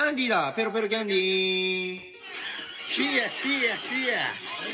ペロペロキャンディー。